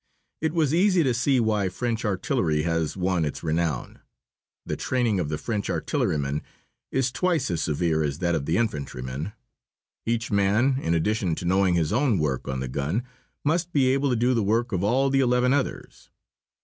It was easy to see why French artillery has won its renown. The training of the French artilleryman is twice as severe as that of the infantryman. Each man, in addition to knowing his own work on the gun, must be able to do the work of all the eleven others.